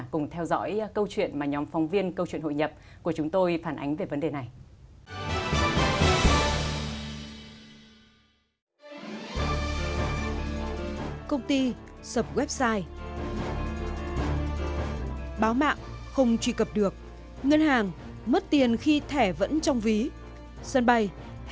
cùng theo dõi câu chuyện mà nhóm phóng viên câu chuyện hội nhập của chúng tôi phản ánh về vấn đề này